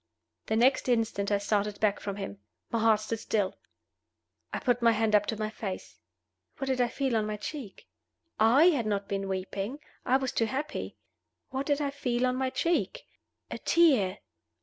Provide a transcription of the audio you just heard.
The next instant I started back from him. My heart stood still. I put my hand up to my face. What did I feel on my cheek? (I had not been weeping I was too happy.) What did I feel on my cheek? A tear!